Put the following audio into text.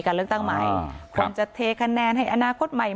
การสืบทอดอำนาจของขอสอชอและยังพร้อมจะเป็นนายกรัฐมนตรี